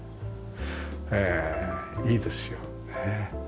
へえいいですよねえ。